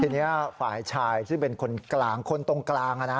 ทีนี้ฝ่ายชายซึ่งเป็นคนกลางคนตรงกลาง